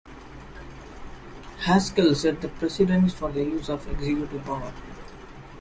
Haskell set the precedents for the use of executive power.